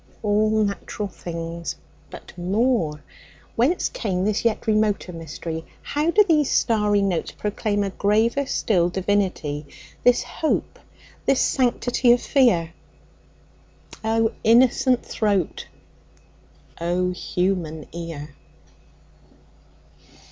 All natural things! But more—Whence cameThis yet remoter mystery? How do these starry notes proclaimA graver still divinity? This hope, this sanctity of fear?O innocent throat! O human ear!